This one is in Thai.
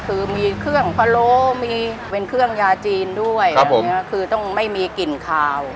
คือมีเครื่องพะโลมีเป็นเครื่องยาจีนด้วยอันนี้คือต้องไม่มีกลิ่นขาว